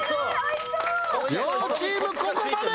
両チームここまで！